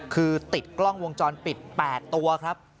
คือติดกล้องวงจรปิด๘ตัวครับ